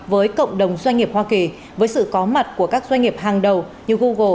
với cộng đồng doanh nghiệp hoa kỳ với sự có mặt của các doanh nghiệp hàng đầu như google